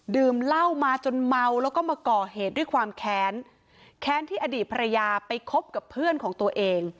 ดื่มเหล้ามาจนเมาแล้วก็มาก่อเหตุด้วยความแค้นแค้นที่อดีตภรรยาไปคบกับเพื่อนของตัวเอง